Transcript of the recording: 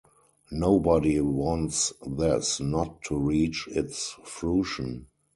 Nobody wants this not to reach its fruition.